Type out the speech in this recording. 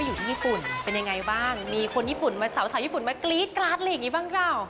อยู่ที่ญี่ปุ่นเป็นยังไงบ้างมีคนญี่ปุ่นมาสาวญี่ปุ่นมากรี๊ดกราดอะไรอย่างนี้บ้างเปล่า